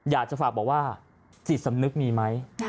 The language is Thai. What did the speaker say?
อยากจะฝากบอกว่าจิตสำนึกมีไหม